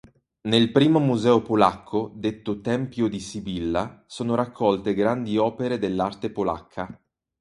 Nel primo museo polacco, detto "Tempio di Sibilla" sono raccolte grandi opere dell'arte polacca.